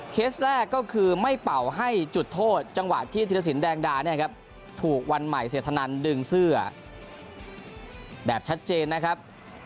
เคสแรกก็คือไม่เป่าให้จุดโทษจังหวะที่ธิรสินแดงดาเนี่ยครับถูกวันใหม่เสียธนันดึงเสื้อแบบชัดเจนนะครับ